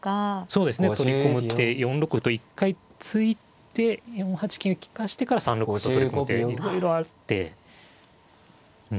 そうですね取り込む手４六歩と一回突いて４八金を利かしてから３六歩と取り込む手いろいろあってうん怖いですね。